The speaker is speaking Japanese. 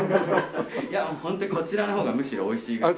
いやホントにこちらの方がむしろおいしい。